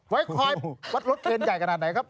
ไว้คอยวัดรถเครนใหญ่ขนาดไหนครับ